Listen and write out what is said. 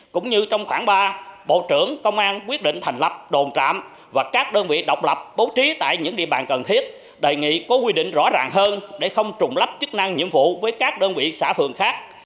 cũng như trong khoảng ba bộ trưởng công an quyết định thành lập đồn trạm và các đơn vị độc lập bố trí tại những địa bàn cần thiết đề nghị có quy định rõ ràng hơn để không trùng lắp chức năng nhiệm vụ với các đơn vị xã phường khác